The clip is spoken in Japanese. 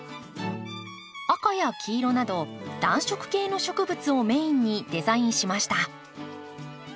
赤や黄色など暖色系の植物をメインにデザインしました。